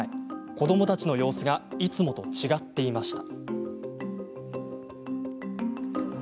子どもたちの様子がいつもと違っていました。